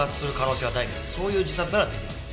そういう自殺なら出来ます。